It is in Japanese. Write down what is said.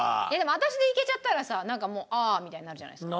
私でいけちゃったらさ「ああ」みたいになるじゃないですか。